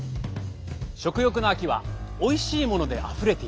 食欲の秋はおいしいものであふれている。